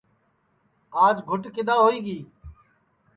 آج گُٹ کِدؔا ہوئی گی